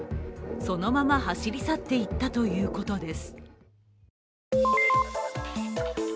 そのまま走り去っていったということです。